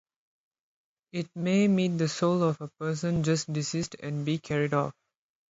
It may meet the soul of a person just deceased and be carried off.